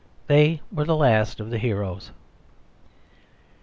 They were the last of the heroes.